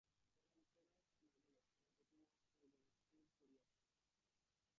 পরম্পরায় শুনা গেল সেনাপতি মহাশয়ের ঘরে চোর পড়িয়াছিল।